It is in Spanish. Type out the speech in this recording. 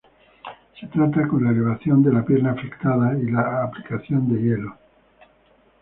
Se trata con la elevación de la pierna afectada y la aplicación de hielo.